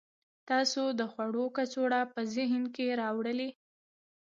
تاسو د خوړو کڅوړه په ذهن کې راولئ